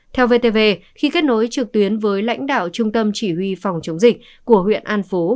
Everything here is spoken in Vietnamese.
theo vtv khi kết nối trực tuyến với lãnh đạo trung tâm chỉ huy phòng chống dịch của huyện an phú